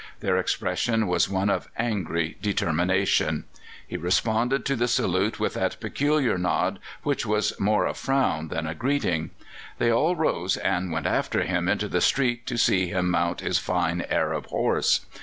Their expression was one of angry determination. He responded to the salute with that peculiar nod which was more a frown than a greeting. They all rose and went after him into the street to see him mount his fine Arab horse.